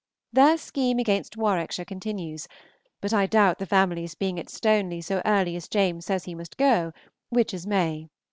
Their scheme against Warwickshire continues, but I doubt the family's being at Stoneleigh so early as James says he must go, which is May.